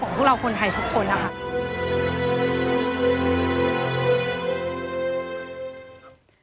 ของพวกเราคนไทยทุกคนนะครับ